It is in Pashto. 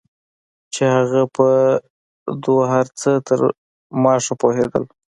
چې هغه په دو هرڅه تر ما ښه پوهېدو.